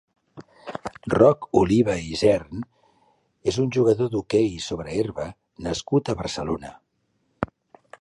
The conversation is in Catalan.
Roc Oliva i Isern és un jugador d'hoquei sobre herba nascut a Barcelona.